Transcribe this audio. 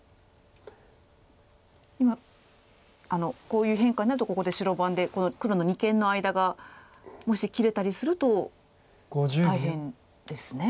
今こういう変化になるとここで白番でこの黒の二間の間がもし切れたりすると大変ですね。